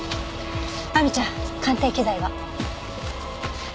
亜美ちゃん鑑定機材は？